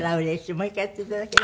もう一回やっていただける？